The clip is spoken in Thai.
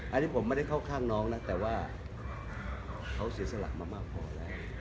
อันนี้ผมไม่ได้เข้าข้างน้องนะแต่ว่าเขาเสียสละมามากพอแล้ว